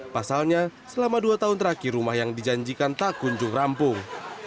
pasalnya selama dua tahun terakhir rumah yang dijanjikan tak kunjung rampung